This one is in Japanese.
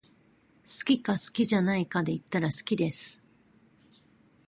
好きか好きじゃないかで言ったら好きです